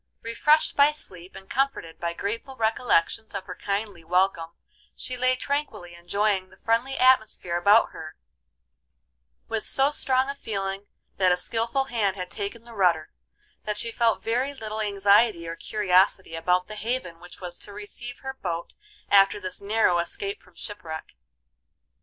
Refreshed by sleep, and comforted by grateful recollections of her kindly welcome, she lay tranquilly enjoying the friendly atmosphere about her, with so strong a feeling that a skilful hand had taken the rudder, that she felt very little anxiety or curiosity about the haven which was to receive her boat after this narrow escape from shipwreck.